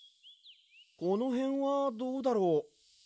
このへんはどうだろう。